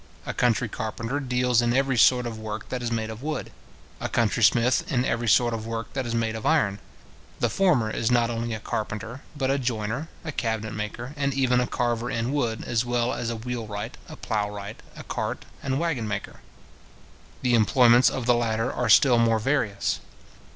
A country carpenter deals in every sort of work that is made of wood; a country smith in every sort of work that is made of iron. The former is not only a carpenter, but a joiner, a cabinet maker, and even a carver in wood, as well as a wheel wright, a plough wright, a cart and waggon maker. The employments of the latter are still more various.